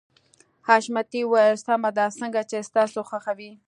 حشمتي وويل سمه ده څنګه چې ستاسو خوښه وي.